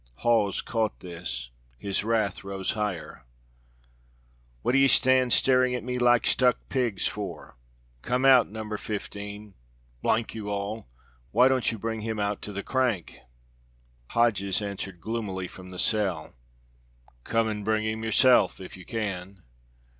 Hawes caught this his wrath rose higher. "What d'ye stand staring at me like stuck pigs for? Come out, No. 15, you all! why don't you bring him out to the crank?" Hodges answered gloomily from the cell, "Come and bring him yourself, if you can."